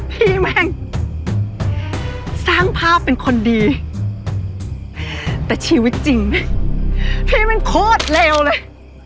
แม่งสร้างภาพเป็นคนดีแต่ชีวิตจริงพี่มันโคตรเลวเลย